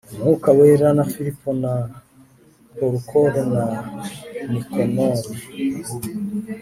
Umwuka Wera na Filipo na Purokoro na Nikanori